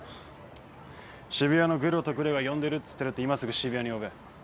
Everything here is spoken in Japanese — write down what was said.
渋谷のグロとグレが呼んでるっつってるって今すぐ渋谷に呼べ。